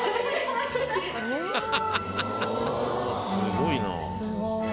すごいな。